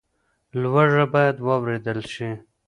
لوږه باید واورېدل شي.